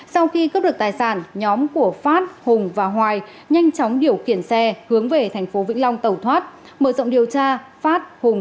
sau khi cướp được tài sản nhóm của phát hùng và hoài dùng dao tự chế chém vào lưng của an